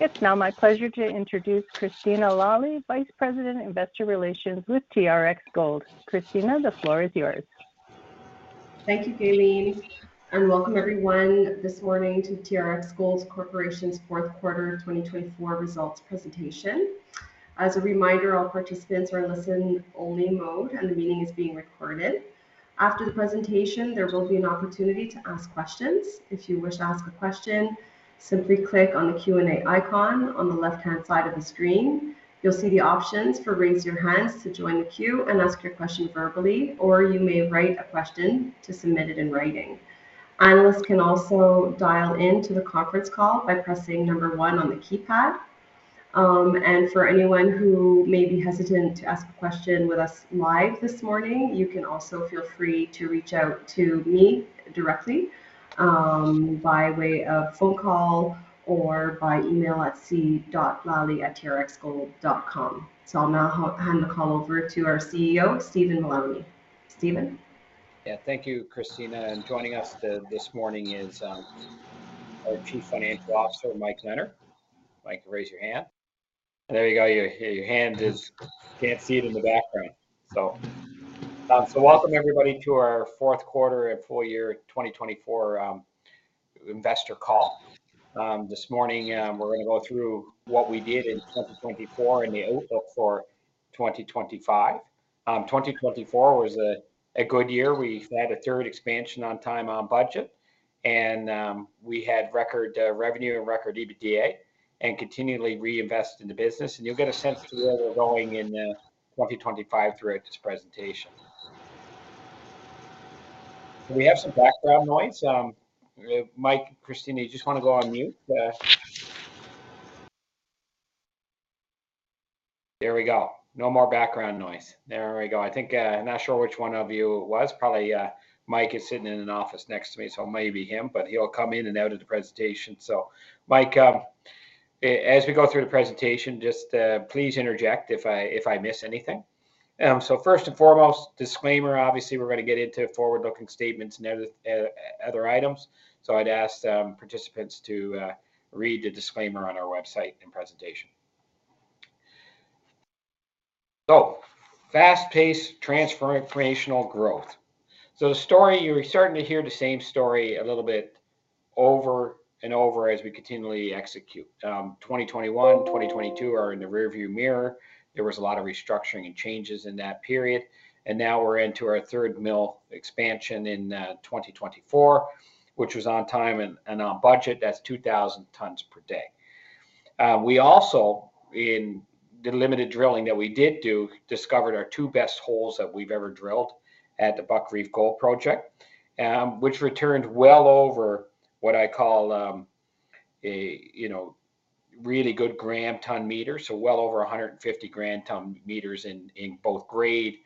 It's now my pleasure to introduce Christina Lalli, Vice President, Investor Relations with TRX Gold. Christina, the floor is yours. Thank you, Kayleen. And welcome, everyone, this morning to TRX Gold Corporation's fourth quarter 2024 results presentation. As a reminder, all participants are in listen-only mode, and the meeting is being recorded. After the presentation, there will be an opportunity to ask questions. If you wish to ask a question, simply click on the Q&A icon on the left-hand side of the screen. You'll see the options for raising your hands to join the queue and ask your question verbally, or you may write a question to submit it in writing. Analysts can also dial into the conference call by pressing number one on the keypad. And for anyone who may be hesitant to ask a question with us live this morning, you can also feel free to reach out to me directly by way of phone call or by email at c.lalli@trxgold.com. So I'll now hand the call over to our CEO, Stephen Mullowney. Stephen? Yeah, thank you, Christina. And joining us this morning is our Chief Financial Officer, Mike Leonard. Mike, raise your hand. There you go. Your hand is. Can't see it in the background. So welcome, everybody, to our fourth quarter and full year 2024 investor call. This morning, we're going to go through what we did in 2024 and the outlook for 2025. 2024 was a good year. We had a third expansion on time on budget, and we had record revenue and record EBITDA, and continually reinvested in the business. And you'll get a sense of where we're going in 2025 throughout this presentation. We have some background noise. Mike, Christina, you just want to go on mute? There we go. No more background noise. There we go. I think I'm not sure which one of you it was. Probably Mike is sitting in an office next to me, so it may be him, but he'll come in and out of the presentation. Mike, as we go through the presentation, just please interject if I miss anything. First and foremost, disclaimer, obviously, we're going to get into forward-looking statements and other items. I'd ask participants to read the disclaimer on our website and presentation. Fast-paced transformational growth. The story you're starting to hear the same story a little bit over and over as we continually execute. 2021 and 2022 are in the rearview mirror. There was a lot of restructuring and changes in that period. Now we're into our third mill expansion in 2024, which was on time and on budget. That's 2,000 tons per day. We also, in the limited drilling that we did do, discovered our two best holes that we've ever drilled at the Buck Reef Gold Project, which returned well over what I call really good gram-ton meters, so well over 150 gram-ton meters in both grade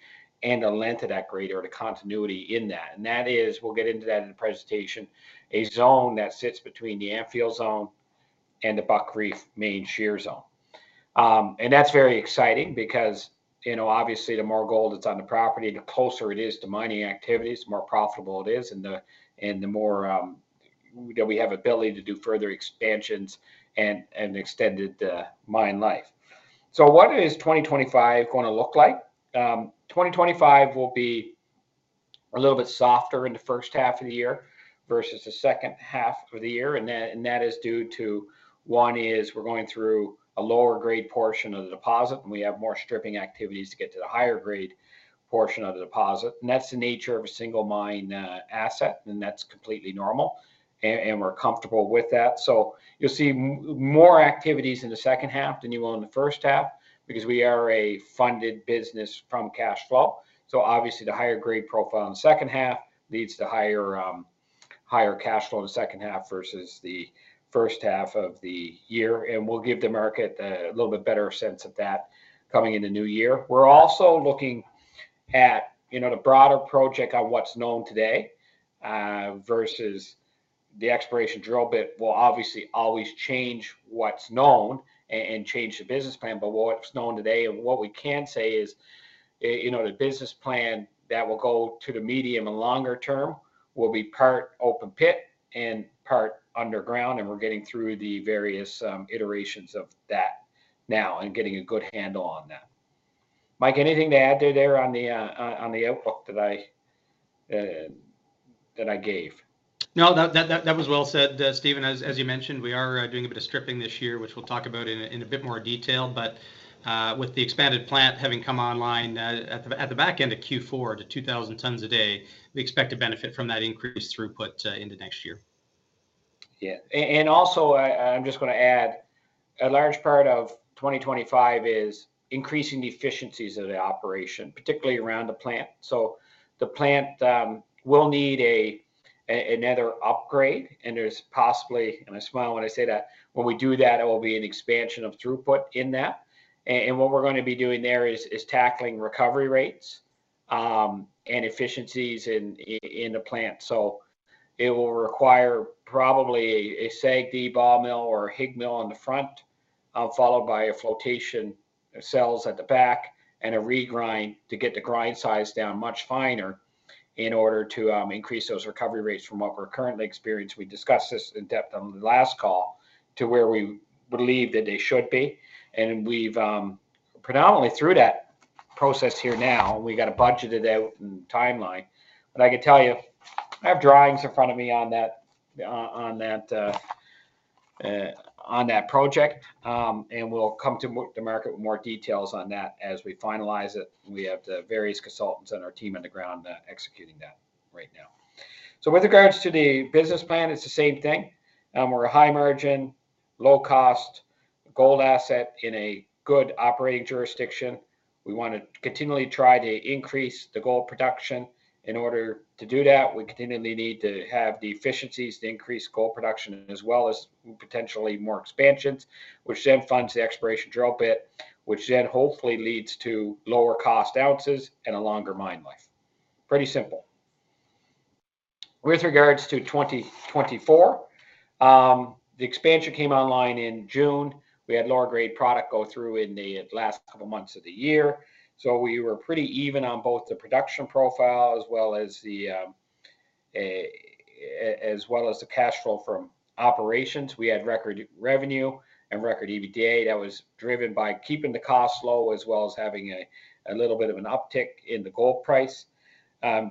and the length of that grade or the continuity in that. And that is, we'll get into that in the presentation, a zone that sits between the Anfield Zone and the Buck Reef Main Shear Zone. And that's very exciting because, obviously, the more gold that's on the property, the closer it is to mining activities, the more profitable it is, and the more that we have ability to do further expansions and extended mine life. So what is 2025 going to look like? 2025 will be a little bit softer in the first half of the year versus the second half of the year. That is due to one is we're going through a lower-grade portion of the deposit, and we have more stripping activities to get to the higher-grade portion of the deposit. That's the nature of a single mine asset, and that's completely normal, and we're comfortable with that. You'll see more activities in the second half than you will in the first half because we are a funded business from cash flow. Obviously, the higher-grade profile in the second half leads to higher cash flow in the second half versus the first half of the year. We'll give the market a little bit better sense of that coming into new year. We're also looking at the broader project on what's known today versus the exploration drill bit. We'll obviously always change what's known and change the business plan, but what's known today and what we can say is the business plan that will go to the medium and longer term will be part open pit and part underground. And we're getting through the various iterations of that now and getting a good handle on that. Mike, anything to add there on the outlook that I gave? No, that was well said, Stephen. As you mentioned, we are doing a bit of stripping this year, which we'll talk about in a bit more detail. But with the expanded plant having come online at the back end of Q4 to 2,000 tons a day, we expect to benefit from that increased throughput into next year. Yeah. And also, I'm just going to add a large part of 2025 is increasing the efficiencies of the operation, particularly around the plant. So the plant will need another upgrade, and there's possibly, and I smile when I say that, when we do that, it will be an expansion of throughput in that. And what we're going to be doing there is tackling recovery rates and efficiencies in the plant. So it will require probably a SAG and ball mill or a HIG mill on the front, followed by flotation cells at the back, and a regrind to get the grind size down much finer in order to increase those recovery rates from what we're currently experiencing. We discussed this in depth on the last call to where we believe that they should be. And we've predominantly through that process here now, and we got to budget it out and timeline. But I can tell you, I have drawings in front of me on that project, and we'll come to the market with more details on that as we finalize it. We have the various consultants and our team on the ground executing that right now. So with regards to the business plan, it's the same thing. We're a high-margin, low-cost gold asset in a good operating jurisdiction. We want to continually try to increase the gold production. In order to do that, we continually need to have the efficiencies to increase gold production as well as potentially more expansions, which then funds the exploration drill bit, which then hopefully leads to lower cost ounces and a longer mine life. Pretty simple. With regards to 2024, the expansion came online in June. We had lower-grade product go through in the last couple of months of the year. So, we were pretty even on both the production profile as well as the cash flow from operations. We had record revenue and record EBITDA. That was driven by keeping the cost low as well as having a little bit of an uptick in the gold price.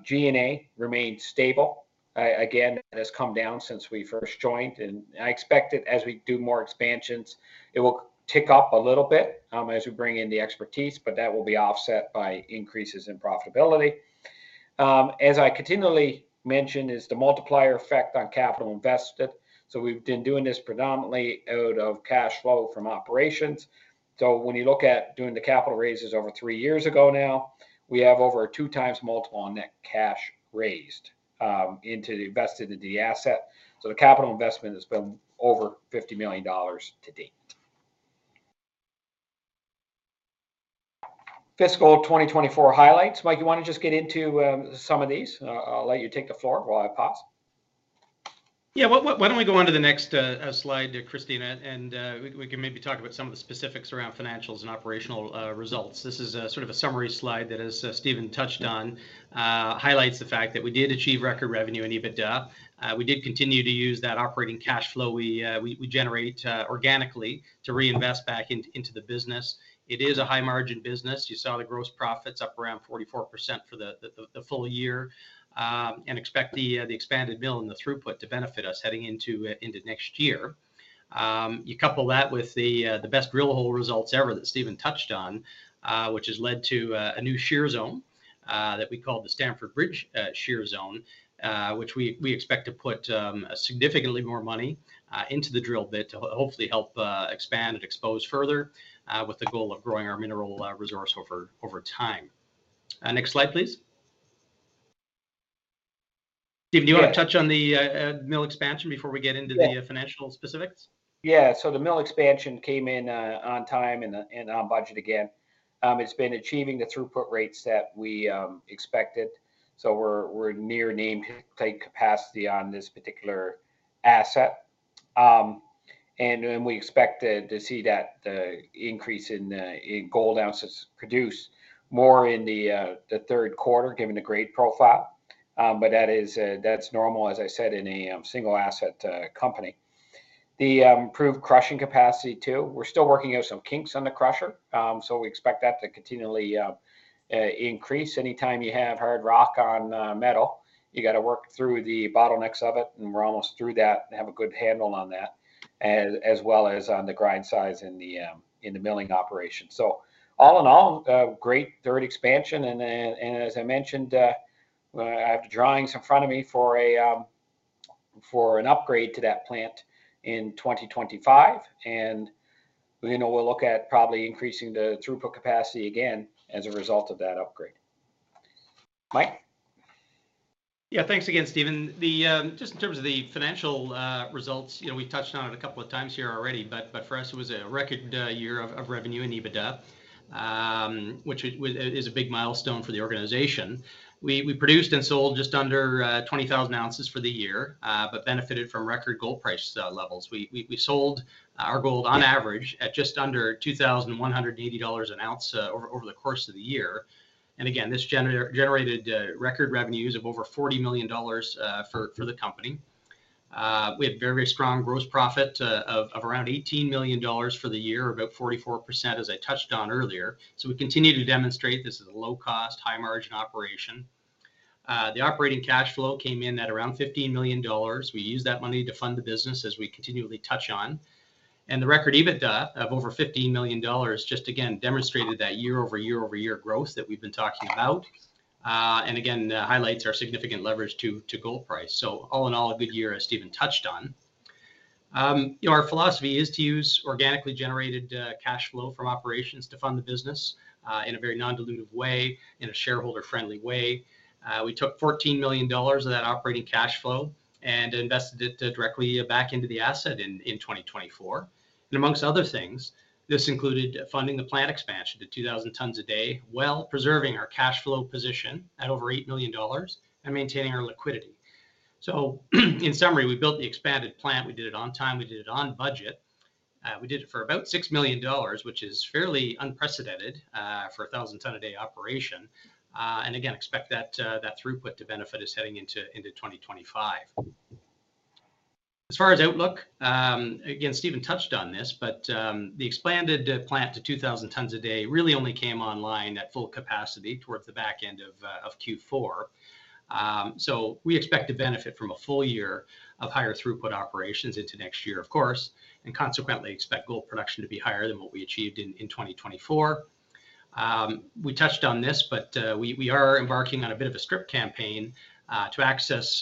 G&A remained stable. Again, that has come down since we first joined. And I expect that as we do more expansions, it will tick up a little bit as we bring in the expertise, but that will be offset by increases in profitability. As I continually mentioned, is the multiplier effect on capital invested. So we've been doing this predominantly out of cash flow from operations. So when you look at doing the capital raises over three years ago now, we have over a two-times multiple on that cash raised into the invested in the asset. So the capital investment has been over $50 million to date. Fiscal 2024 highlights. Mike, you want to just get into some of these? I'll let you take the floor while I pause. Yeah. Why don't we go on to the next slide, Christina, and we can maybe talk about some of the specifics around financials and operational results? This is sort of a summary slide that, as Stephen touched on, highlights the fact that we did achieve record revenue and EBITDA. We did continue to use that operating cash flow we generate organically to reinvest back into the business. It is a high-margin business. You saw the gross profits up around 44% for the full year and expect the expanded mill and the throughput to benefit us heading into next year. You couple that with the best drill hole results ever that Stephen touched on, which has led to a new shear zone that we called the Stamford Bridge Shear Zone, which we expect to put significantly more money into the drill bit to hopefully help expand and expose further with the goal of growing our mineral resource over time. Next slide, please. Stephen, do you want to touch on the mill expansion before we get into the financial specifics? Yeah, so the mill expansion came in on time and on budget again. It's been achieving the throughput rates that we expected, so we're near nameplate capacity on this particular asset, and we expect to see that increase in gold ounces produced more in the third quarter given the grade profile. But that's normal, as I said, in a single asset company. The improved crushing capacity too. We're still working out some kinks on the crusher, so we expect that to continually increase. Anytime you have hard rock on metal, you got to work through the bottlenecks of it, and we're almost through that and have a good handle on that, as well as on the grind size in the milling operation, so all in all, great third expansion, and as I mentioned, I have the drawings in front of me for an upgrade to that plant in 2025. We'll look at probably increasing the throughput capacity again as a result of that upgrade. Mike. Yeah, thanks again, Stephen. Just in terms of the financial results, we've touched on it a couple of times here already, but for us, it was a record year of revenue and EBITDA, which is a big milestone for the organization. We produced and sold just under 20,000 ounces for the year but benefited from record gold price levels. We sold our gold on average at just under $2,180 an ounce over the course of the year, and again, this generated record revenues of over $40 million for the company. We had very, very strong gross profit of around $18 million for the year, about 44%, as I touched on earlier, so we continue to demonstrate this is a low-cost, high-margin operation. The operating cash flow came in at around $15 million. We used that money to fund the business as we continually touch on. The record EBITDA of over $15 million just, again, demonstrated that year-over-year-over-year growth that we've been talking about and again highlights our significant leverage to gold price. All in all, a good year, as Stephen touched on. Our philosophy is to use organically generated cash flow from operations to fund the business in a very non-dilutive way, in a shareholder-friendly way. We took $14 million of that operating cash flow and invested it directly back into the asset in 2024. Amongst other things, this included funding the plant expansion to 2,000 tons a day, while preserving our cash flow position at over $8 million and maintaining our liquidity. In summary, we built the expanded plant. We did it on time. We did it on budget. We did it for about $6 million, which is fairly unprecedented for a 1,000-ton-a-day operation. Again, expect that throughput to benefit us heading into 2025. As far as outlook, again, Stephen touched on this, but the expanded plant to 2,000 tons a day really only came online at full capacity towards the back end of Q4. We expect to benefit from a full year of higher throughput operations into next year, of course, and consequently expect gold production to be higher than what we achieved in 2024. We touched on this, but we are embarking on a bit of a strip campaign to access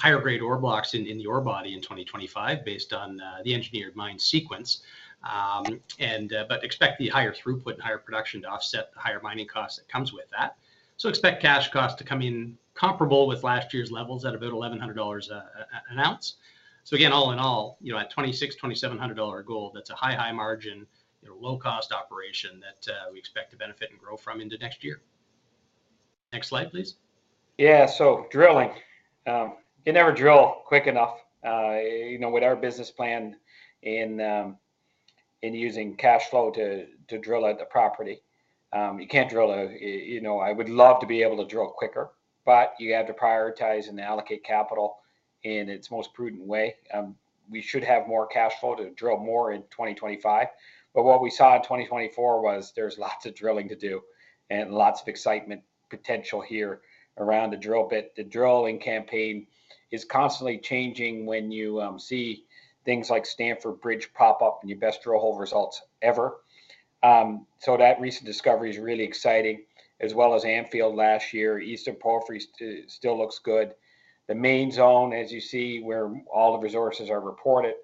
higher-grade ore blocks in the ore body in 2025 based on the engineered mine sequence, but expect the higher throughput and higher production to offset the higher mining costs that comes with that. Expect cash costs to come in comparable with last year's levels at about $1,100 an ounce. So again, all in all, at $26,000, $2,700 gold, that's a high, high margin, low-cost operation that we expect to benefit and grow from into next year. Next slide, please. Yeah. So, drilling. You never drill quick enough with our business plan in using cash flow to drill at the property. You can't drill. I would love to be able to drill quicker, but you have to prioritize and allocate capital in its most prudent way. We should have more cash flow to drill more in 2025. But what we saw in 2024 was there's lots of drilling to do and lots of excitement potential here around the drill bit. The drilling campaign is constantly changing when you see things like Stamford Bridge pop up in your best drill hole results ever. So that recent discovery is really exciting, as well as Anfield last year. Eastern Porphyry still looks good. The Main Zone, as you see, where all the resources are reported,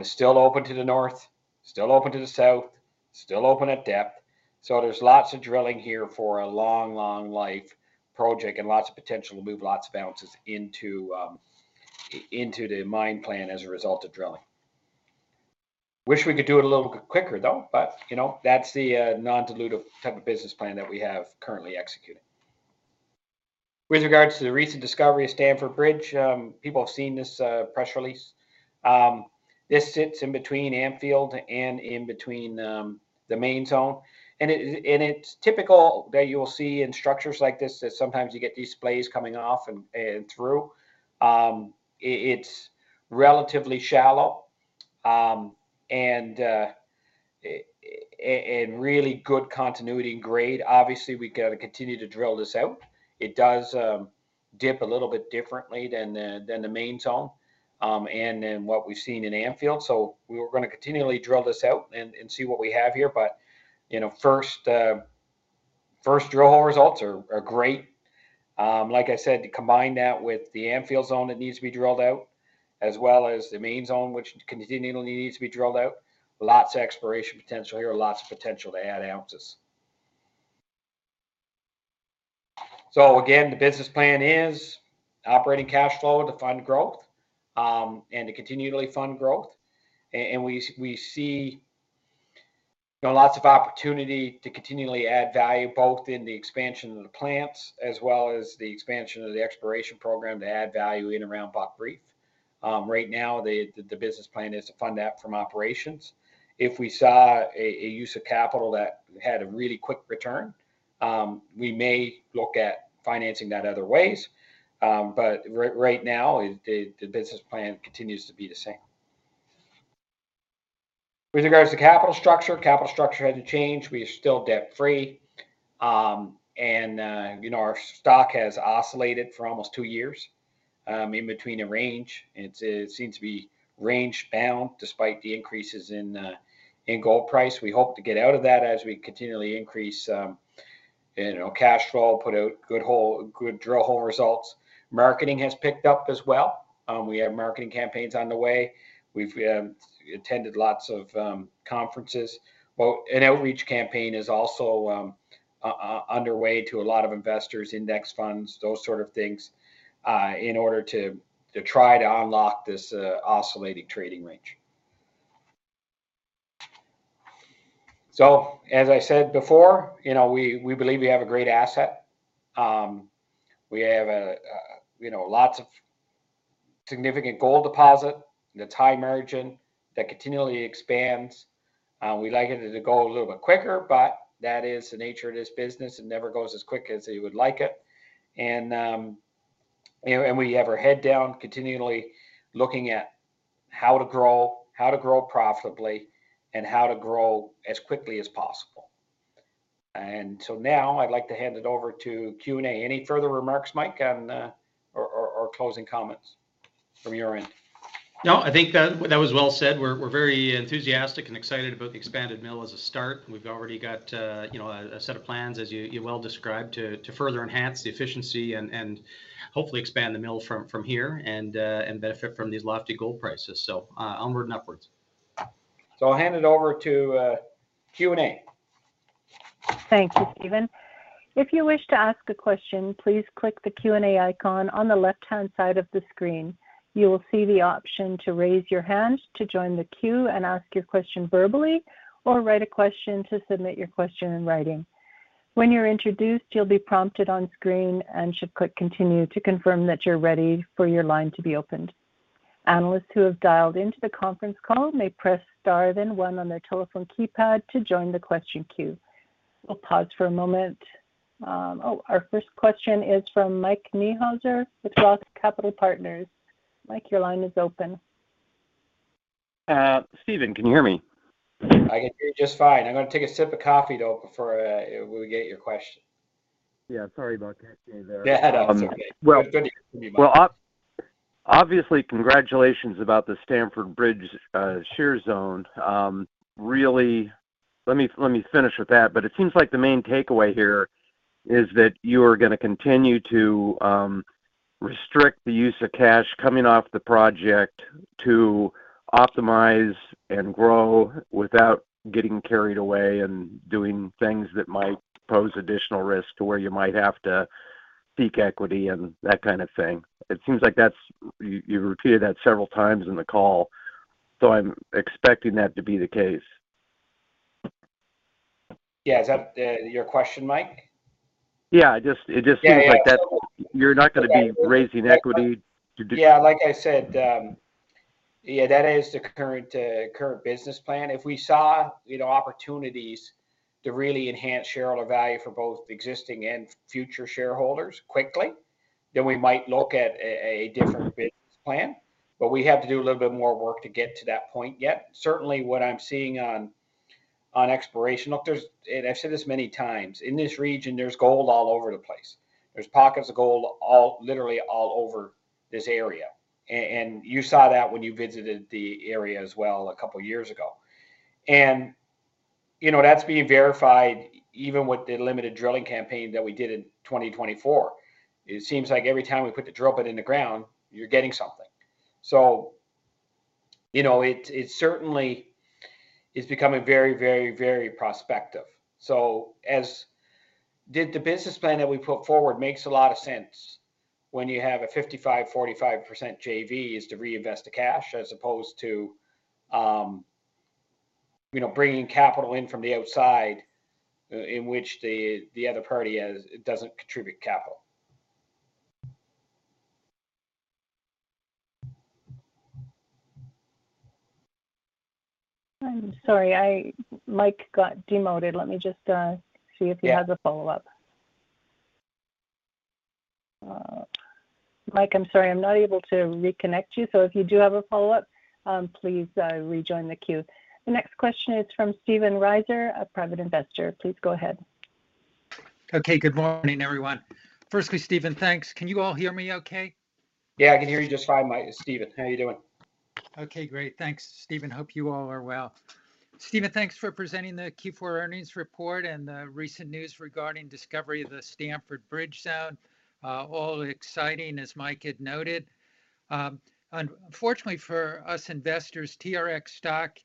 is still open to the north, still open to the south, still open at depth. So there's lots of drilling here for a long, long life project and lots of potential to move lots of ounces into the mine plan as a result of drilling. Wish we could do it a little bit quicker, though, but that's the non-dilutive type of business plan that we have currently executing. With regards to the recent discovery of Stamford Bridge, people have seen this press release. This sits in between Anfield and in between the Main Zone. And it's typical that you will see in structures like this that sometimes you get these splays coming off and through. It's relatively shallow and really good continuity and grade. Obviously, we got to continue to drill this out. It does dip a little bit differently than the Main Zone and then what we've seen in Anfield. So we're going to continually drill this out and see what we have here. But first drill hole results are great. Like I said, combine that with the Anfield Zone that needs to be drilled out, as well as the Main Zone, which continually needs to be drilled out. Lots of exploration potential here, lots of potential to add ounces. So again, the business plan is operating cash flow to fund growth and to continually fund growth. And we see lots of opportunity to continually add value both in the expansion of the plants as well as the expansion of the exploration program to add value in around Buck Reef. Right now, the business plan is to fund that from operations. If we saw a use of capital that had a really quick return, we may look at financing that other ways. But right now, the business plan continues to be the same. With regards to capital structure, capital structure hasn't changed. We are still debt-free, and our stock has oscillated for almost two years in between a range. It seems to be range-bound despite the increases in gold price. We hope to get out of that as we continually increase cash flow, put out good drill hole results. Marketing has picked up as well. We have marketing campaigns on the way. We've attended lots of conferences. An outreach campaign is also underway to a lot of investors, index funds, those sort of things in order to try to unlock this oscillating trading range, so as I said before, we believe we have a great asset. We have lots of significant gold deposit that's high margin that continually expands. We like it to go a little bit quicker, but that is the nature of this business. It never goes as quick as you would like it. And we have our head down continually looking at how to grow, how to grow profitably, and how to grow as quickly as possible. And so now I'd like to hand it over to Q&A. Any further remarks, Mike, or closing comments from your end? No, I think that was well said. We're very enthusiastic and excited about the expanded mill as a start. We've already got a set of plans, as you well described, to further enhance the efficiency and hopefully expand the mill from here and benefit from these lofty gold prices. So onward and upwards. I'll hand it over to Q&A. Thank you, Stephen. If you wish to ask a question, please click the Q&A icon on the left-hand side of the screen. You will see the option to raise your hand to join the queue and ask your question verbally or write a question to submit your question in writing. When you're introduced, you'll be prompted on screen and should click continue to confirm that you're ready for your line to be opened. Analysts who have dialed into the conference call may press star then one on their telephone keypad to join the question queue. We'll pause for a moment. Oh, our first question is from Mike Niehuser with Roth Capital Partners. Mike, your line is open. Stephen, can you hear me? I can hear you just fine. I'm going to take a sip of coffee though before we get your question. Yeah. Sorry about catching you there. Yeah, well, obviously, congratulations about the Stamford Bridge Shear Zone. Really, let me finish with that, but it seems like the main takeaway here is that you are going to continue to restrict the use of cash coming off the project to optimize and grow without getting carried away and doing things that might pose additional risk to where you might have to seek equity and that kind of thing. It seems like you repeated that several times in the call, so I'm expecting that to be the case. Yeah. Is that your question, Mike? Yeah. It just seems like you're not going to be raising equity too. Yeah. Like I said, yeah, that is the current business plan. If we saw opportunities to really enhance shareholder value for both existing and future shareholders quickly, then we might look at a different business plan. But we have to do a little bit more work to get to that point yet. Certainly, what I'm seeing on exploration. Look, I've said this many times. In this region, there's gold all over the place. There's pockets of gold literally all over this area. And you saw that when you visited the area as well a couple of years ago. And that's being verified even with the limited drilling campaign that we did in 2024. It seems like every time we put the drill bit in the ground, you're getting something. So it certainly is becoming very, very, very prospective. So did the business plan that we put forward make a lot of sense when you have a 55%, 45% JV is to reinvest the cash as opposed to bringing capital in from the outside in which the other party doesn't contribute capital? I'm sorry. Mike got muted. Let me just see if he has a follow-up. Mike, I'm sorry. I'm not able to reconnect you. So if you do have a follow-up, please rejoin the queue. The next question is from Stephen Riser, a private investor. Please go ahead. Okay. Good morning, everyone. Firstly, Stephen, thanks. Can you all hear me okay? Yeah. I can hear you just fine, Stephen. How are you doing? Okay. Great. Thanks, Stephen. Hope you all are well. Stephen, thanks for presenting the Q4 earnings report and the recent news regarding discovery of the Stamford Bridge Zone. All exciting, as Mike had noted. Unfortunately for us investors, TRX stock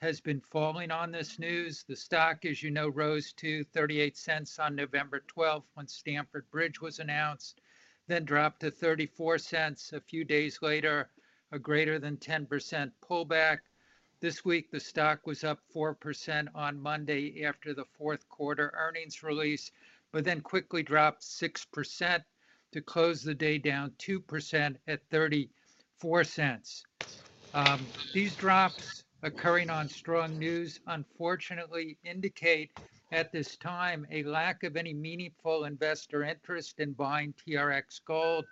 has been falling on this news. The stock, as you know, rose to $0.38 on November 12th when Stamford Bridge was announced, then dropped to $0.34 a few days later, a greater than 10% pullback. This week, the stock was up 4% on Monday after the fourth quarter earnings release, but then quickly dropped 6% to close the day down 2% at $0.34. These drops occurring on strong news, unfortunately, indicate at this time a lack of any meaningful investor interest in buying TRX Gold.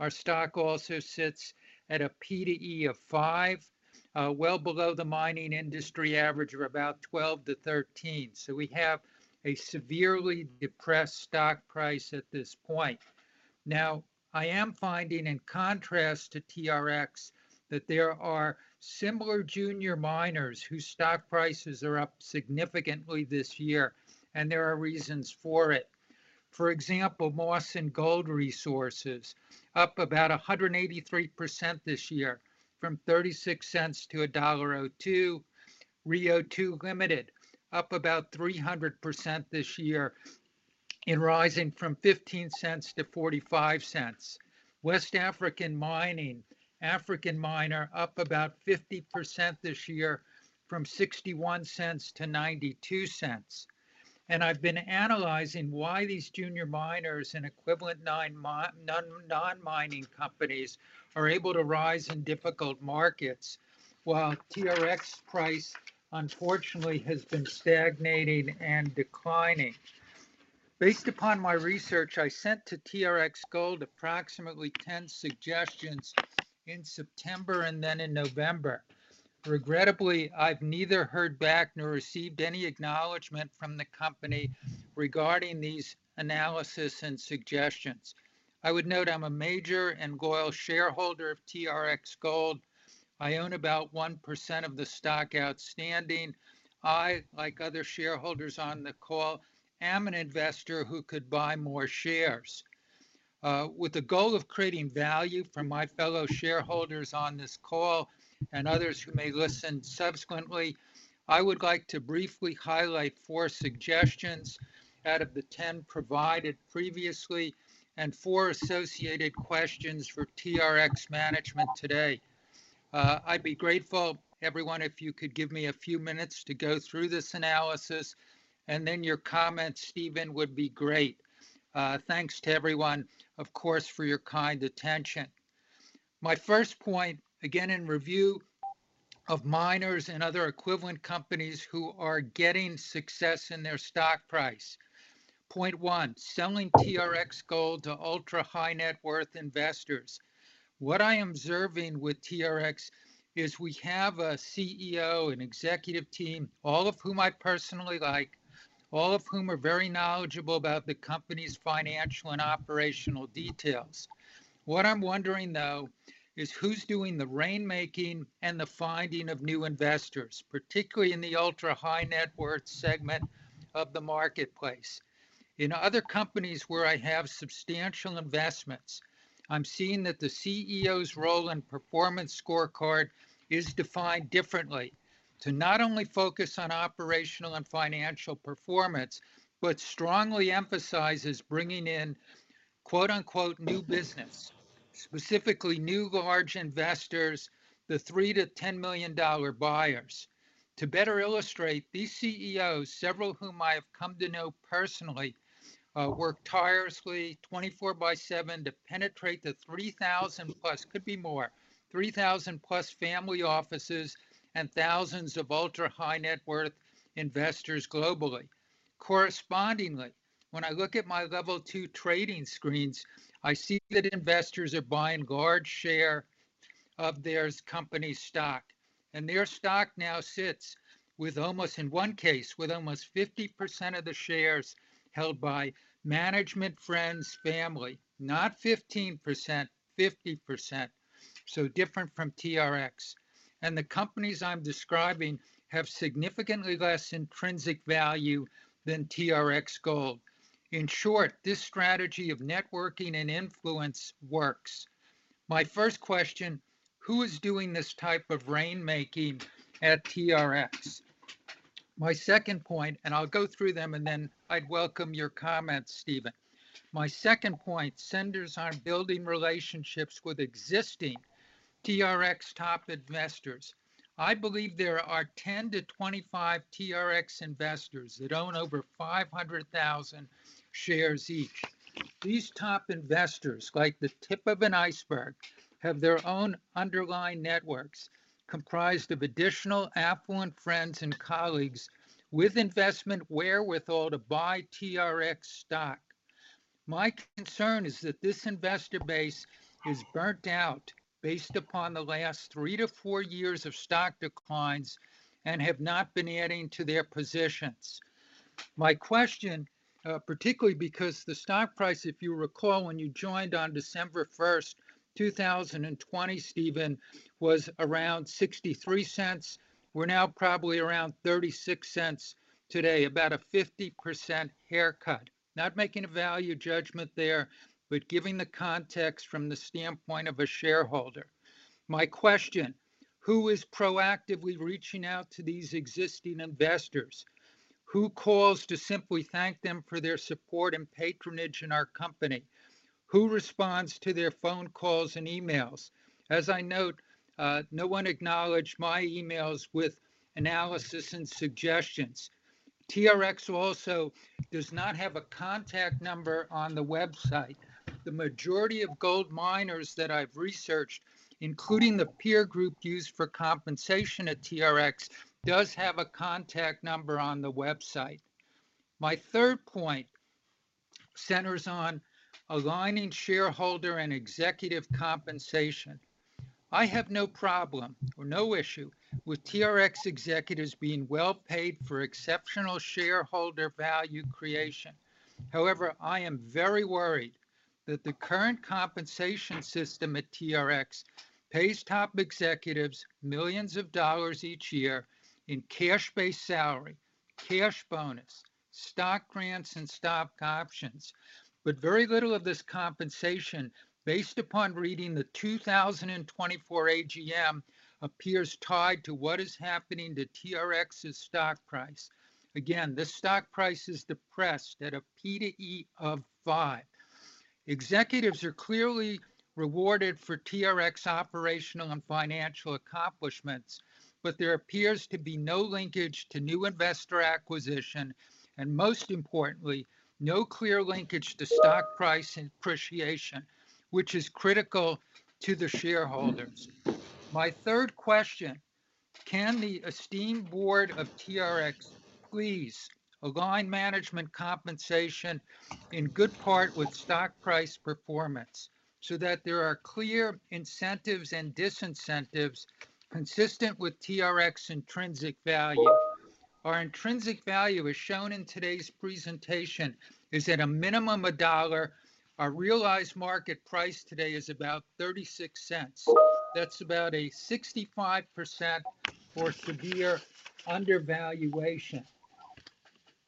Our stock also sits at a P/E of five, well below the mining industry average of about 12 to 13. We have a severely depressed stock price at this point. Now, I am finding, in contrast to TRX, that there are similar junior miners whose stock prices are up significantly this year, and there are reasons for it. For example, Mawson Gold Limited up about 183% this year from $0.36 to $1.02. Rio2 Limited up about 300% this year and rising from $0.15 to $0.45. West African Resources Limited up about 50% this year from $0.61 to $0.92. I have been analyzing why these junior miners and equivalent non-mining companies are able to rise in difficult markets while TRX price, unfortunately, has been stagnating and declining. Based upon my research, I sent to TRX Gold approximately 10 suggestions in September and then in November. Regrettably, I have neither heard back nor received any acknowledgment from the company regarding these analysis and suggestions. I would note I'm a major and loyal shareholder of TRX Gold. I own about 1% of the stock outstanding. I, like other shareholders on the call, am an investor who could buy more shares. With the goal of creating value for my fellow shareholders on this call and others who may listen subsequently, I would like to briefly highlight four suggestions out of the 10 provided previously and four associated questions for TRX management today. I'd be grateful, everyone, if you could give me a few minutes to go through this analysis, and then your comments, Stephen, would be great. Thanks to everyone, of course, for your kind attention. My first point, again, in review of miners and other equivalent companies who are getting success in their stock price. Point one, selling TRX Gold to ultra-high net worth investors. What I'm observing with TRX is we have a CEO, an executive team, all of whom I personally like, all of whom are very knowledgeable about the company's financial and operational details. What I'm wondering, though, is who's doing the rainmaking and the finding of new investors, particularly in the ultra-high net worth segment of the marketplace. In other companies where I have substantial investments, I'm seeing that the CEO's role and performance scorecard is defined differently to not only focus on operational and financial performance, but strongly emphasizes bringing in "new business," specifically new large investors, the $3 to $10 million buyers. To better illustrate, these CEOs, several whom I have come to know personally, work tirelessly 24 by seven to penetrate the 3,000+, could be more, 3,000+ family offices and thousands of ultra-high net worth investors globally. Correspondingly, when I look at my Level II trading screens, I see that investors are buying large share of their company stock. And their stock now sits with, in one case, with almost 50% of the shares held by management, friends, family, not 15%, 50%. So different from TRX. And the companies I'm describing have significantly less intrinsic value than TRX Gold. In short, this strategy of networking and influence works. My first question, who is doing this type of rainmaking at TRX? My second point, and I'll go through them, and then I'd welcome your comments, Stephen. My second point centers on building relationships with existing TRX top investors. I believe there are 10 to 25 TRX investors that own over 500,000 shares each. These top investors, like the tip of an iceberg, have their own underlying networks comprised of additional affluent friends and colleagues with investment wherewithal to buy TRX stock. My concern is that this investor base is burnt out based upon the last three to four years of stock declines and have not been adding to their positions. My question, particularly because the stock price, if you recall, when you joined on December 1st, 2020, Stephen, was around $0.63, we're now probably around $0.36 today, about a 50% haircut. Not making a value judgment there, but giving the context from the standpoint of a shareholder. My question, who is proactively reaching out to these existing investors? Who calls to simply thank them for their support and patronage in our company? Who responds to their phone calls and emails? As I note, no one acknowledged my emails with analysis and suggestions. TRX also does not have a contact number on the website. The majority of gold miners that I've researched, including the peer group used for compensation at TRX, does have a contact number on the website. My third point centers on aligning shareholder and executive compensation. I have no problem or no issue with TRX executives being well paid for exceptional shareholder value creation. However, I am very worried that the current compensation system at TRX pays top executives millions of dollars each year in cash-based salary, cash bonus, stock grants, and stock options, but very little of this compensation based upon reading the 2024 AGM appears tied to what is happening to TRX's stock price. Again, this stock price is depressed at a P/E of five. Executives are clearly rewarded for TRX operational and financial accomplishments, but there appears to be no linkage to new investor acquisition, and most importantly, no clear linkage to stock price appreciation, which is critical to the shareholders. My third question, can the esteemed board of TRX please align management compensation in good part with stock price performance so that there are clear incentives and disincentives consistent with TRX's intrinsic value? Our intrinsic value, as shown in today's presentation, is at a minimum of $1. Our realized market price today is about $0.36. That's about a 65% or severe undervaluation.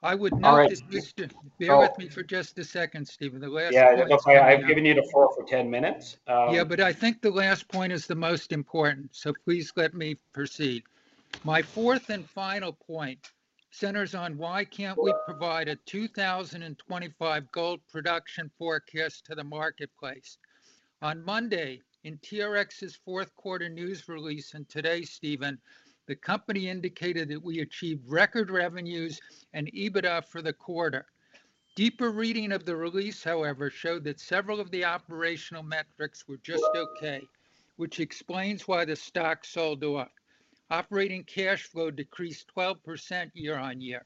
I would note this question. Bear with me for just a second, Stephen. The last point. Yeah. I've given you the floor for 10 minutes. Yeah, but I think the last point is the most important, so please let me proceed. My fourth and final point centers on why can't we provide a 2025 gold production forecast to the marketplace? On Monday, in TRX's fourth quarter news release and today, Stephen, the company indicated that we achieved record revenues and EBITDA for the quarter. Deeper reading of the release, however, showed that several of the operational metrics were just okay, which explains why the stock sold off. Operating cash flow decreased 12% year on year.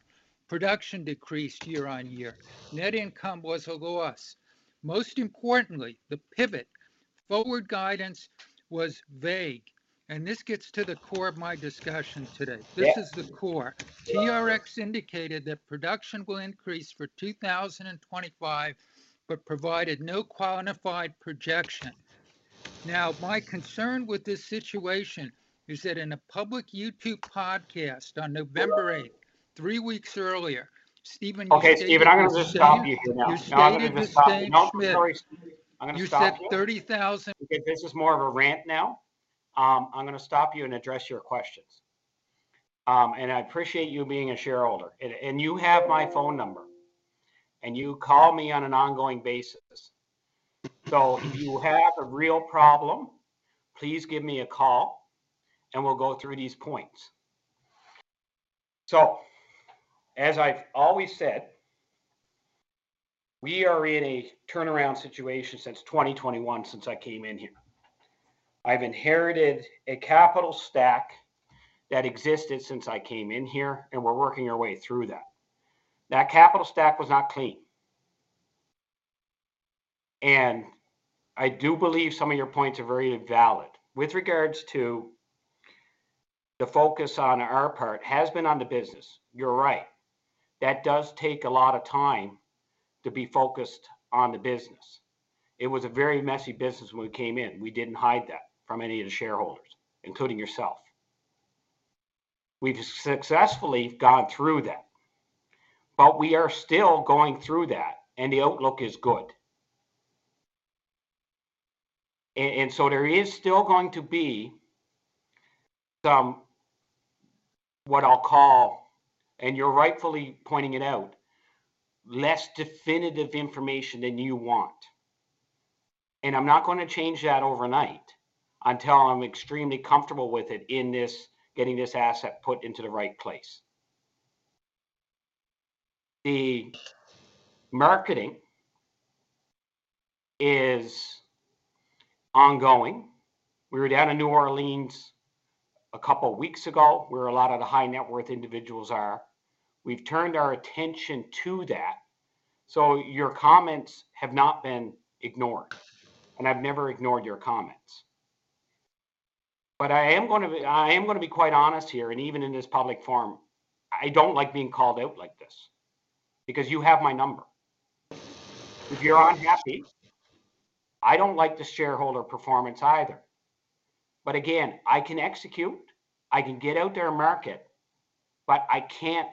Production decreased year on year. Net income was a loss. Most importantly, the pivot forward guidance was vague, and this gets to the core of my discussion today. This is the core. TRX indicated that production will increase for 2025 but provided no quantified projection. Now, my concern with this situation is that in a public YouTube podcast on November 8th, three weeks earlier, Stephen. Okay. Stephen, I'm going to just stop you here now. I'm going to just stop you. You said 30,000. Okay. This is more of a rant now. I'm going to stop you and address your questions, and I appreciate you being a shareholder, and you have my phone number, and you call me on an ongoing basis. So if you have a real problem, please give me a call, and we'll go through these points, so as I've always said, we are in a turnaround situation since 2021, since I came in here. I've inherited a capital stack that existed since I came in here, and we're working our way through that. That capital stack was not clean, and I do believe some of your points are very valid, with regards to the focus on our part, it has been on the business. You're right. That does take a lot of time to be focused on the business. It was a very messy business when we came in. We didn't hide that from any of the shareholders, including yourself. We've successfully gone through that, but we are still going through that, and the outlook is good. And so there is still going to be some, what I'll call, and you're rightfully pointing it out, less definitive information than you want. And I'm not going to change that overnight until I'm extremely comfortable with it in getting this asset put into the right place. The marketing is ongoing. We were down in New Orleans a couple of weeks ago, where a lot of the high net worth individuals are. We've turned our attention to that. So your comments have not been ignored. And I've never ignored your comments. But I am going to be quite honest here, and even in this public forum, I don't like being called out like this because you have my number. If you're unhappy, I don't like the shareholder performance either. But again, I can execute. I can get out there and market, but I can't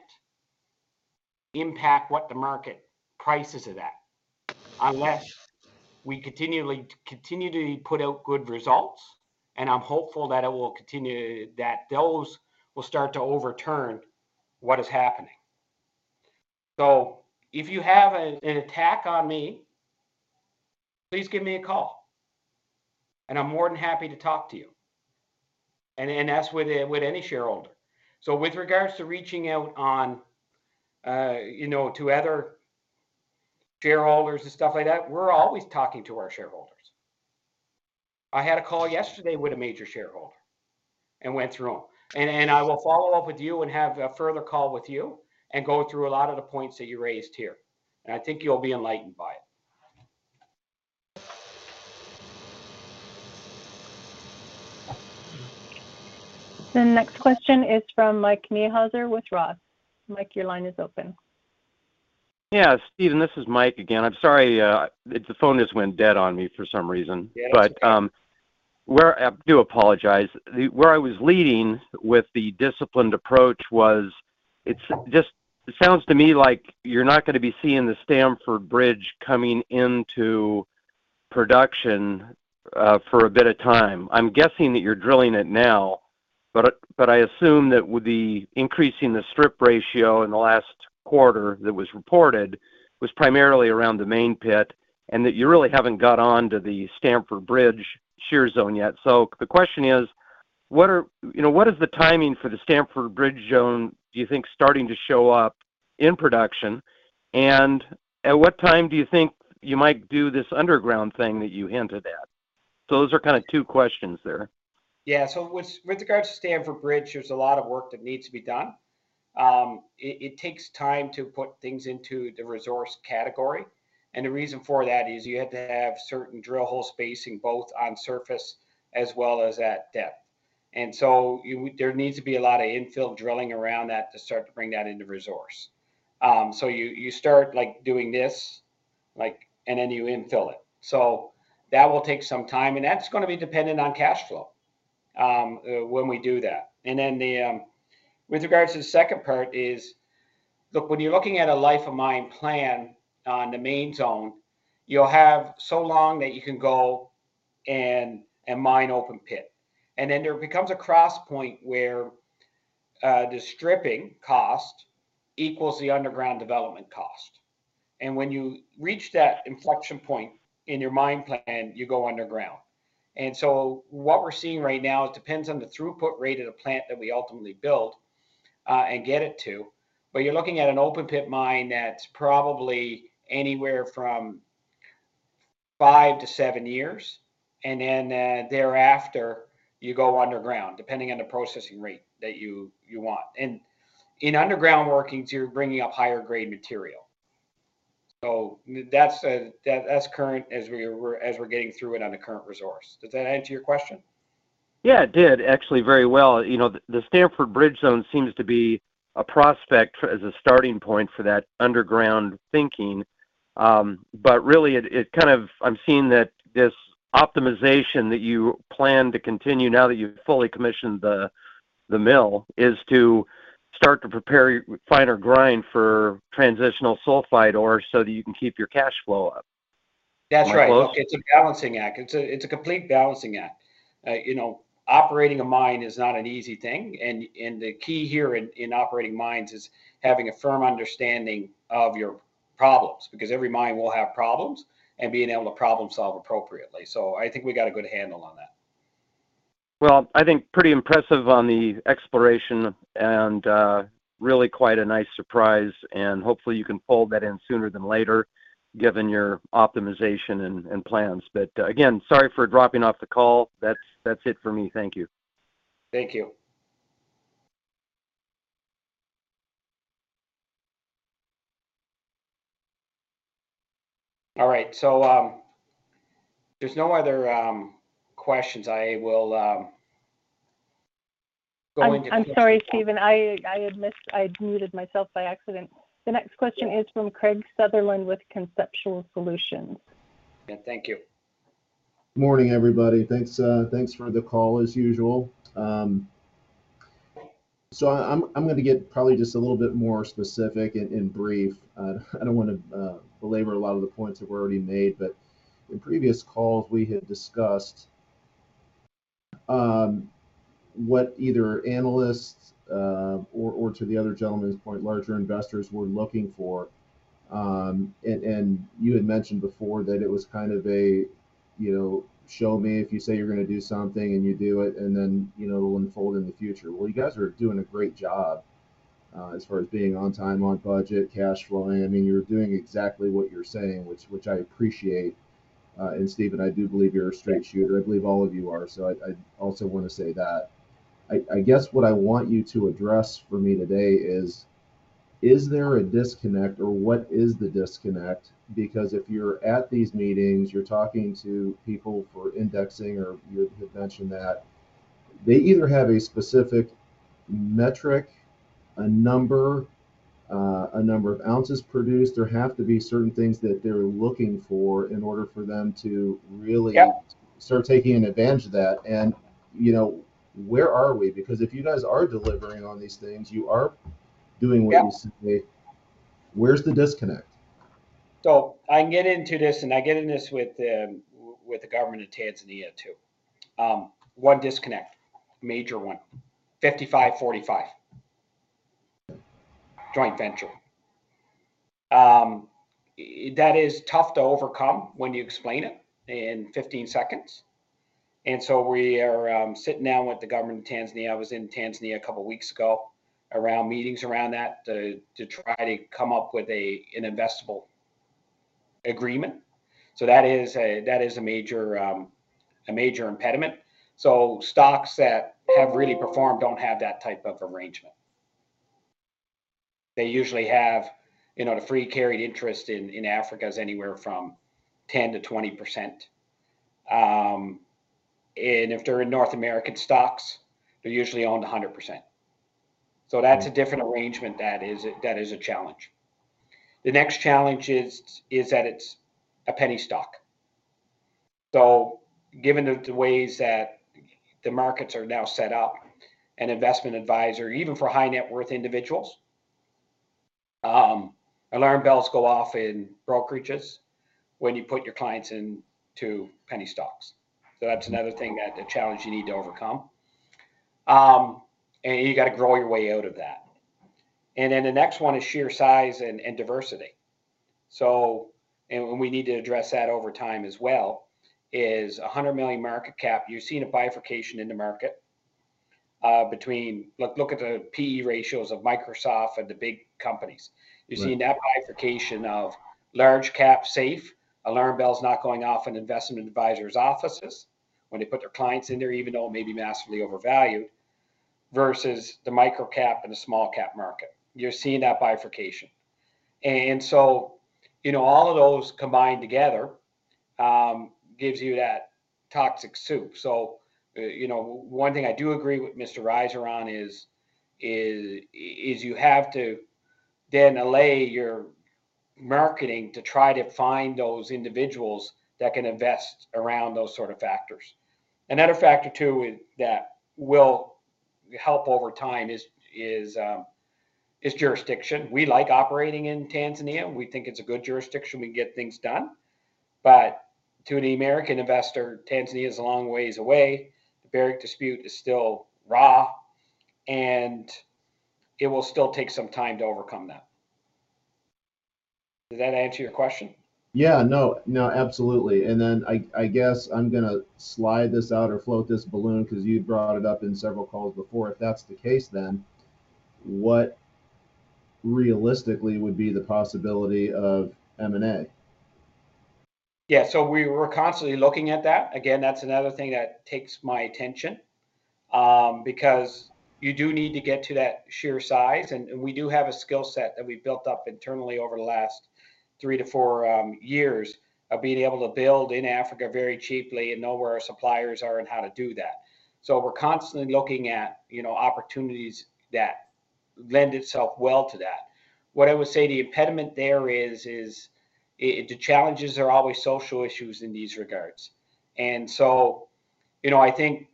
impact what the market prices of that unless we continue to put out good results. And I'm hopeful that those will start to overturn what is happening. So if you have an attack on me, please give me a call. And I'm more than happy to talk to you. And that's with any shareholder. So with regards to reaching out to other shareholders and stuff like that, we're always talking to our shareholders. I had a call yesterday with a major shareholder and went through them. And I will follow up with you and have a further call with you and go through a lot of the points that you raised here. And I think you'll be enlightened by it. The next question is from Mike Niehuser with Roth. Mike, your line is open. Yeah. Stephen, this is Mike again. I'm sorry. The phone just went dead on me for some reason. But I do apologize. Where I was leading with the disciplined approach was it sounds to me like you're not going to be seeing the Stamford Bridge coming into production for a bit of time. I'm guessing that you're drilling it now, but I assume that increasing the strip ratio in the last quarter that was reported was primarily around the main pit and that you really haven't got on to the Stamford Bridge shear zone yet. So the question is, what is the timing for the Stamford Bridge zone, do you think, starting to show up in production? And at what time do you think you might do this underground thing that you hinted at? So those are kind of two questions there. Yeah. So with regards to Stamford Bridge, there's a lot of work that needs to be done. It takes time to put things into the resource category. And the reason for that is you have to have certain drill hole spacing both on surface as well as at depth. And so there needs to be a lot of infill drilling around that to start to bring that into resource. So you start doing this, and then you infill it. So that will take some time. And that's going to be dependent on cash flow when we do that. And then with regards to the second part is, look, when you're looking at a life of mine plan on the Main Zone, you'll have so long that you can go and mine open pit. And then there becomes a cross point where the stripping cost equals the underground development cost. When you reach that inflection point in your mine plan, you go underground. What we're seeing right now, it depends on the throughput rate of the plant that we ultimately build and get it to. You're looking at an open pit mine that's probably anywhere from five to seven years. Thereafter, you go underground, depending on the processing rate that you want. In underground workings, you're bringing up higher-grade material. That's current as we're getting through it on the current resource. Does that answer your question? Yeah. It did, actually, very well. The Stamford Bridge zone seems to be a prospect as a starting point for that underground thinking. But really, I'm seeing that this optimization that you plan to continue now that you've fully commissioned the mill is to start to prepare finer grind for transitional sulfide ore so that you can keep your cash flow up. That's right. It's a balancing act. It's a complete balancing act. Operating a mine is not an easy thing. And the key here in operating mines is having a firm understanding of your problems because every mine will have problems and being able to problem-solve appropriately. So I think we got a good handle on that. Well, I think pretty impressive on the exploration and really quite a nice surprise. And hopefully, you can pull that in sooner than later given your optimization and plans. But again, sorry for dropping off the call. That's it for me. Thank you. Thank you. All right. So there's no other questions. I will go into. I'm sorry, Stephen. I had muted myself by accident. The next question is from Craig Sutherland with Conceptual Solutions. Yeah. Thank you. Morning, everybody. Thanks for the call, as usual, so I'm going to get probably just a little bit more specific and brief. I don't want to belabor a lot of the points that were already made, but in previous calls, we had discussed what either analysts or, to the other gentleman's point, larger investors were looking for, and you had mentioned before that it was kind of a, "Show me if you say you're going to do something, and you do it, and then it'll unfold in the future," well, you guys are doing a great job as far as being on time, on budget, cash flowing. I mean, you're doing exactly what you're saying, which I appreciate, and Stephen, I do believe you're a straight shooter. I believe all of you are, so I also want to say that. I guess what I want you to address for me today is, is there a disconnect or what is the disconnect? Because if you're at these meetings, you're talking to people for indexing, or you had mentioned that they either have a specific metric, a number, a number of ounces produced, there have to be certain things that they're looking for in order for them to really start taking advantage of that. And where are we? Because if you guys are delivering on these things, you are doing what you say. Where's the disconnect? So I can get into this, and I get into this with the government of Tanzania too. One disconnect, major one, 55/45 joint venture. That is tough to overcome when you explain it in 15 seconds. And so we are sitting down with the government of Tanzania. I was in Tanzania a couple of weeks ago around meetings around that to try to come up with an investable agreement. So that is a major impediment. So stocks that have really performed don't have that type of arrangement. They usually have the free carried interest in Africa is anywhere from 10% to 20%. And if they're in North American stocks, they're usually owned 100%. So that's a different arrangement that is a challenge. The next challenge is that it's a penny stock. So given the ways that the markets are now set up, an investment advisor, even for high net worth individuals, alarm bells go off in brokerages when you put your clients into penny stocks. So that's another thing, a challenge you need to overcome. And you got to grow your way out of that. And then the next one is sheer size and diversity. And we need to address that over time as well is 100 million market cap. You're seeing a bifurcation in the market between look at the P/E ratios of Microsoft and the big companies. You're seeing that bifurcation of large cap safe, alarm bells not going off in investment advisors' offices when they put their clients in there, even though it may be massively overvalued, versus the micro cap and the small cap market. You're seeing that bifurcation. And so all of those combined together gives you that toxic soup. So one thing I do agree with Mr. Riser on is you have to then align your marketing to try to find those individuals that can invest around those sort of factors. Another factor too that will help over time is jurisdiction. We like operating in Tanzania. We think it's a good jurisdiction. We can get things done. But to the American investor, Tanzania is a long ways away. The Barrick dispute is still raw, and it will still take some time to overcome that. Does that answer your question? Yeah. No. No. Absolutely. And then I guess I'm going to slide this out or float this balloon because you brought it up in several calls before. If that's the case, then what realistically would be the possibility of M&A? Yeah. So we were constantly looking at that. Again, that's another thing that takes my attention because you do need to get to that sheer size. And we do have a skill set that we've built up internally over the last three to four years of being able to build in Africa very cheaply and know where our suppliers are and how to do that. So we're constantly looking at opportunities that lend itself well to that. What I would say the impediment there is the challenges are always social issues in these regards. And so I think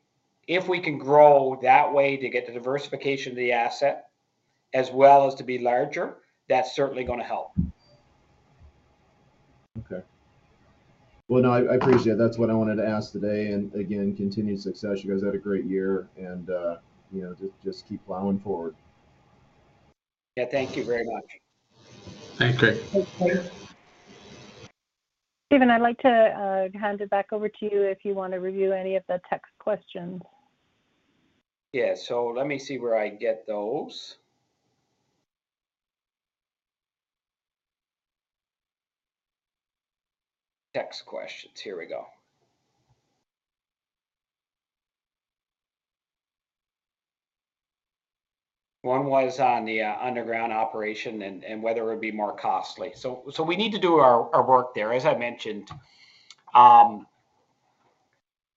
if we can grow that way to get the diversification of the asset as well as to be larger, that's certainly going to help. Okay. No, I appreciate it. That's what I wanted to ask today. Again, continued success. You guys had a great year. Just keep plowing forward. Yeah. Thank you very much. Thanks, Craig. Stephen, I'd like to hand it back over to you if you want to review any of the text questions. Yeah. So let me see where I get those text questions. Here we go. One was on the underground operation and whether it would be more costly, so we need to do our work there. As I mentioned,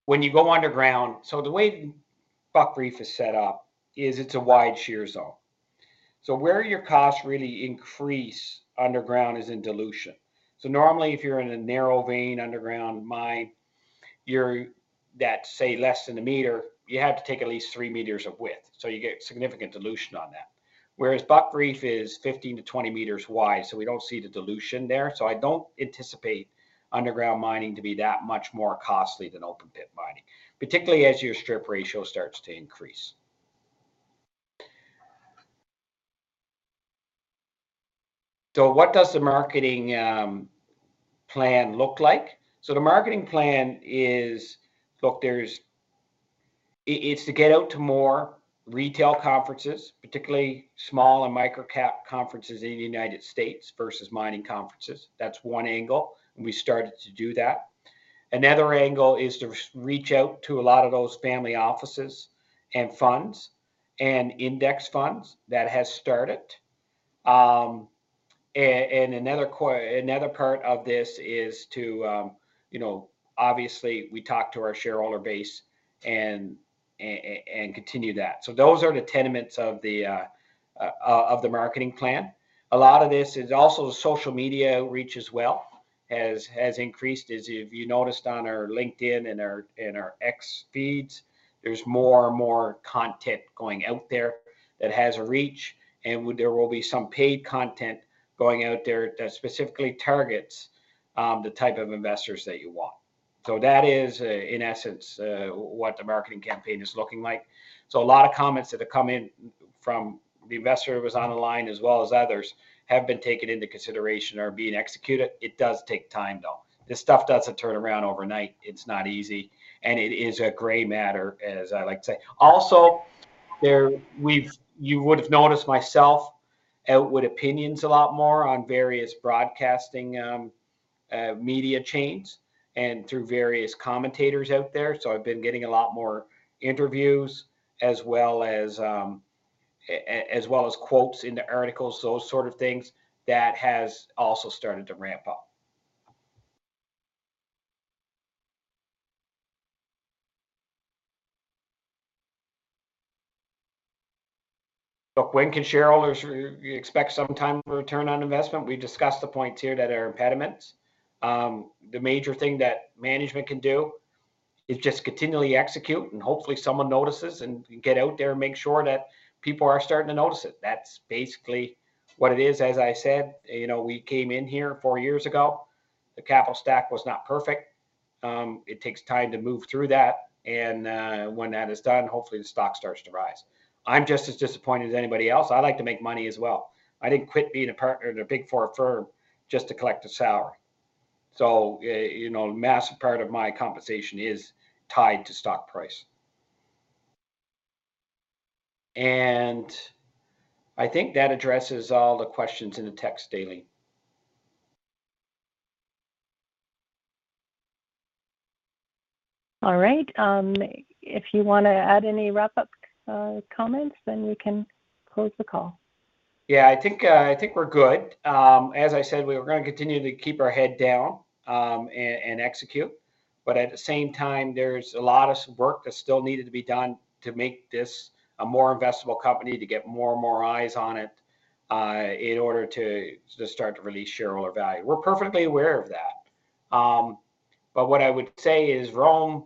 when you go underground, so the way Buck Reef is set up is it's a wide shear zone. So where your costs really increase underground is in dilution. So normally, if you're in a narrow-vein underground mine, that's say less than a meter, you have to take at least three meters of width. So you get significant dilution on that. Whereas Buck Reef is 15 m to 20 m wide. So we don't see the dilution there. So I don't anticipate underground mining to be that much more costly than open pit mining, particularly as your strip ratio starts to increase. So what does the marketing plan look like? So the marketing plan is, look, it's to get out to more retail conferences, particularly small and micro cap conferences in the United States versus mining conferences. That's one angle. And we started to do that. Another angle is to reach out to a lot of those family offices and funds and index funds that has started. And another part of this is to, obviously, we talk to our shareholder base and continue that. So those are the tenets of the marketing plan. A lot of this is also social media reach as well has increased. As you noticed on our LinkedIn and our X feeds, there's more and more content going out there that has a reach. And there will be some paid content going out there that specifically targets the type of investors that you want. So that is, in essence, what the marketing campaign is looking like. A lot of comments that have come in from the investor who was on the line as well as others have been taken into consideration or being executed. It does take time, though. This stuff doesn't turn around overnight. It's not easy. And it is a gray matter, as I like to say. Also, you would have noticed myself out with opinions a lot more on various broadcasting media chains and through various commentators out there. So I've been getting a lot more interviews as well as quotes in the articles, those sort of things that has also started to ramp up. Look, when can shareholders expect some time to return on investment? We discussed the points here that are impediments. The major thing that management can do is just continually execute, and hopefully, someone notices and can get out there and make sure that people are starting to notice it. That's basically what it is. As I said, we came in here four years ago. The capital stack was not perfect. It takes time to move through that. And when that is done, hopefully, the stock starts to rise. I'm just as disappointed as anybody else. I like to make money as well. I didn't quit being a partner in a Big Four firm just to collect a salary. So a massive part of my compensation is tied to stock price. And I think that addresses all the questions in the text daily. All right. If you want to add any wrap-up comments, then we can close the call. Yeah. I think we're good. As I said, we're going to continue to keep our head down and execute. But at the same time, there's a lot of work that still needed to be done to make this a more investable company, to get more and more eyes on it in order to start to release shareholder value. We're perfectly aware of that. But what I would say is Rome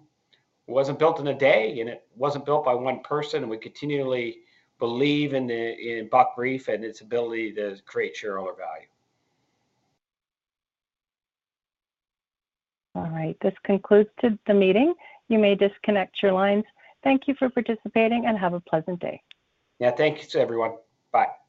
wasn't built in a day, and it wasn't built by one person. And we continually believe in Buck Reef and its ability to create shareholder value. All right. This concludes the meeting. You may disconnect your lines. Thank you for participating and have a pleasant day. Yeah. Thank you to everyone. Bye.